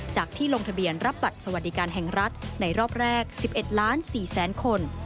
ที่ลงทะเบียนรับบัตรสวัสดิการแห่งรัฐในรอบแรก๑๑ล้าน๔แสนคน